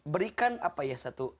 berikan apa ya